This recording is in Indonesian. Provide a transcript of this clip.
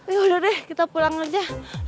yaudah deh kita pulang aja